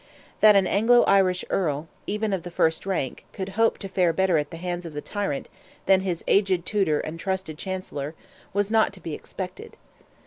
That an Anglo Irish Earl, even of the first rank, could hope to fare better at the hands of the tyrant than his aged tutor and his trusted Chancellor, was not to be expected.